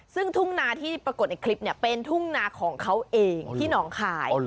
ซึ่งทุ่งนาที่ปรากฏในคลิปเนี่ยเป็นทุ่งนาของเขาเองที่หนองคาย